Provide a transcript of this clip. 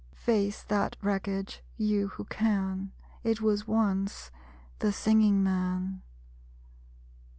Face that wreckage, you who can. It was once the Singing Man.